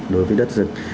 đối với đất rừng